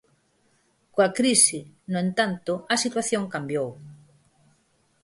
Coa crise, no entanto, a situación cambiou.